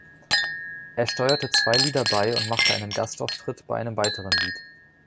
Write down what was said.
Er steuerte zwei Lieder bei und machte einen Gastauftritt bei einem weiteren Lied.